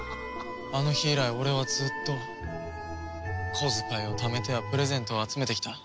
あの日以来俺はずっと小遣いをためてはプレゼントを集めてきた。